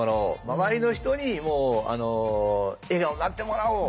周りの人にも笑顔になってもらおう。